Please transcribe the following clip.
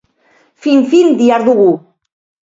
Fin-fin dihardugu.